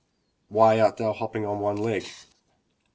Why art thou hopping on one leg?"